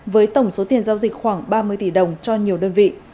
với tổng số tiền giao dịch khoảng ba mươi tỷ đồng cho nhiều đơn vị